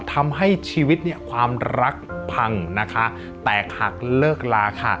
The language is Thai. ทำให้ชีวิตเนี่ยความรักพังนะคะแตกหักเลิกลาค่ะ